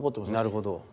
なるほど。